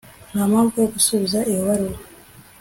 Nta mpamvu yo gusubiza iyo baruwa